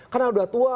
karena udah tua